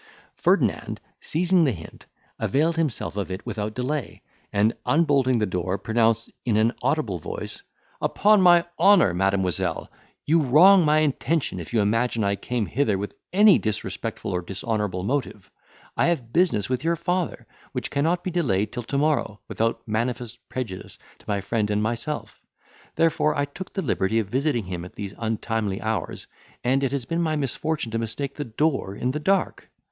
Ferdinand, seizing the hint, availed himself of it without delay, and, unbolting the door, pronounced in an audible voice, "Upon my honour, Mademoiselle, you wrong my intention, if you imagine I came hither with any disrespectful or dishonourable motive. I have business with your father, which cannot be delayed till to morrow, without manifest prejudice to my friend and myself; therefore I took the liberty of visiting him at these untimely hours, and it has been my misfortune to mistake the door in the dark.